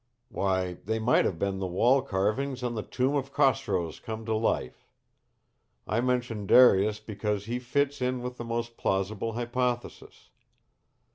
"Why, they might have been the wall carvings on the tomb of Khosroes come to life. I mention Darius because he fits in with the most plausible hypothesis.